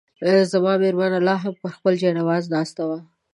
زما مېرمن لا هم پر خپل جاینماز ناست وه.